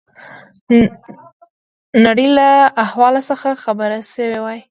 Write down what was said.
نړۍ له احوال څخه خبر شوي وای.